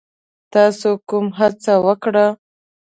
تاسو کومه هڅه وکړه؟